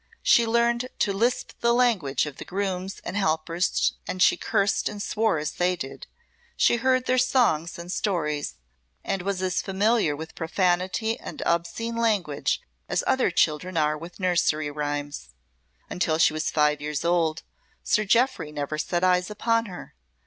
She learned to lisp the language of grooms' and helpers, she cursed and swore as they did, she heard their songs and stories, and was as familiar with profanity and obscene language as other children are with nursery rhymes. Until she was five years old Sir Jeoffry never set eyes upon her.